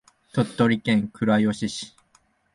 鳥取県倉吉市